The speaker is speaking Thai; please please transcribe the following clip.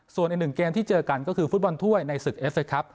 ส่วนอีกหนึ่งเกมที่เจอกันก็คือฟุตบอลถ้วยในศึกเอฟเคครับ